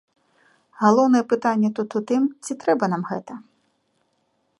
Галоўнае пытанне тут у тым, ці трэба нам гэта?